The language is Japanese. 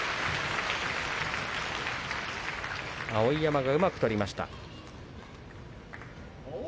碧山が、うまく取りました。